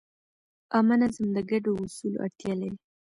عامه نظم د ګډو اصولو اړتیا لري.